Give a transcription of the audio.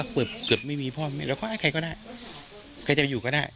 ถ้าเปิดเกือบไม่มีพ่อมีแล้วค่อยให้ใครก็ได้ใครจะอยู่ก็ได้